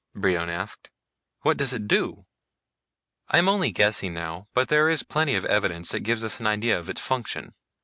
Brion asked. "What does it do?" "I'm only guessing now, but there is plenty of evidence that gives us an idea of its function.